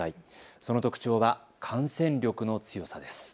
その特徴は感染力の強さです。